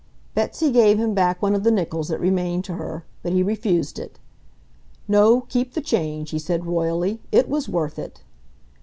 Betsy gave him back one of the nickels that remained to her, but he refused it. "No, keep the change," he said royally. "It was worth it."